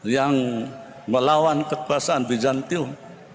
yang melawan kekuasaan bijantium